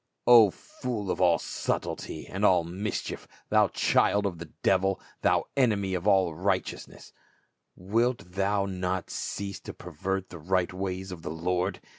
" O, full of all subtilty and all mischief, thou child of the devil, thou enemy of all righteousness, wilt thou not cease to jxr\ert the right ways of the Lord